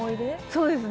そうですね。